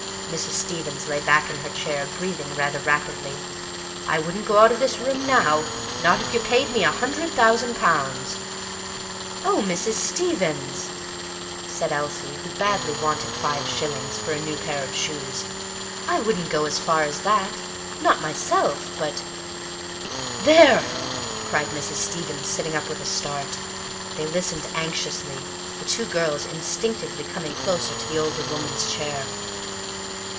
Mrs. Stevens lay back in her chair, breathing rather rapidly. "I wouldn't go out of this room now, not if you paid me a hundred thousand pounds." "Oh, Mrs. Stevens!" said Elsie, who badly wanted five shillings for a new pair of shoes, "I wouldn't go as far as that, not myself, but—" "There!" cried Mrs. Stevens, sitting up with a start. They listened anxiously, the two girls instinctively coming closer to the older woman's chair.